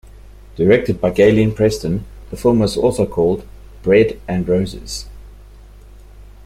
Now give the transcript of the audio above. Directed by Gaylene Preston, the film was also called "Bread and Roses".